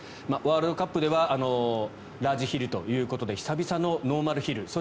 ワールドカップではラージヒルということで久々のノーマルヒル。